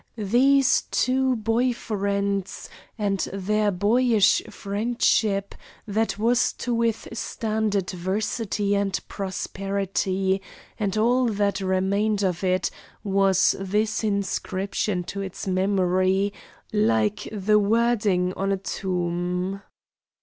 These two boy friends, and their boyish friendship that was to withstand adversity and prosperity, and all that remained of it was this inscription to its memory like the wording on a tomb!